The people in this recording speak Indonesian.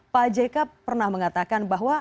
pak jk pernah mengatakan bahwa